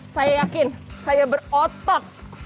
saya yakin saya berotot